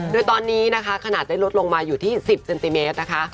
โดยตอนนี้นะคะขนาดได้ลดลงมาอยู่ที่๑๐เซนติเมตรนะคะ